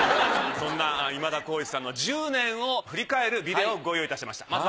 そんな今田耕司さんの１０年を振り返るビデオをご用意いたしました。